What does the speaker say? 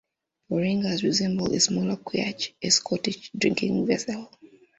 Porringers resembled the smaller quaich, a Scottish drinking vessel.